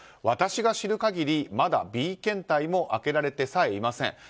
私が知る限り、まだＢ検体も開けられてさえいません。